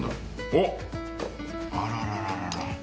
おっあららら。